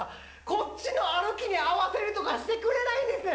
こっちの歩きに合わせるとかしてくれないです。